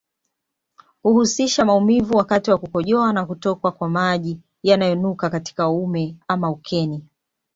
Huhusisha mauvimu wakati wa kukojoa na kutokwa kwa maji yanayonuka katika uume ama ukeni